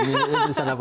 ini terusan apa